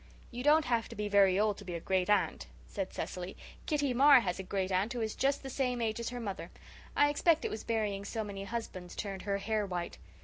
"You don't have to be very old to be a great aunt," said Cecily. "Kitty Marr has a great aunt who is just the same age as her mother. I expect it was burying so many husbands turned her hair white.